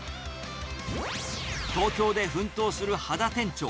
東京で奮闘する秦店長。